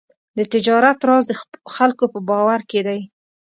د تجارت راز د خلکو په باور کې دی.